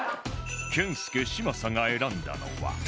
健介嶋佐が選んだのは